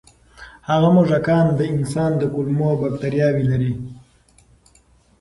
هغه موږکان د انسان د کولمو بکتریاوې لري.